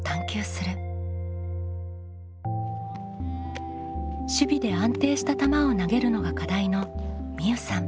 「守備で安定した球を投げる」のが課題のみうさん。